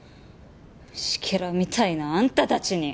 虫けらみたいなあんたたちに！